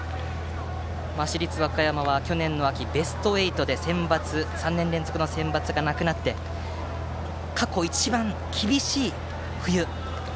市立和歌山は去年の秋、ベスト８で３年連続のセンバツがなくなって過去一番厳しい冬。